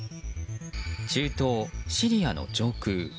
中東シリアの上空。